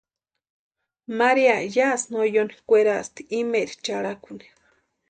María yásï no yóni kwerasti imaeri charhakuni.